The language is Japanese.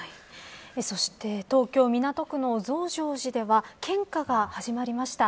そして、東京港区の増上寺では献花が始まりました。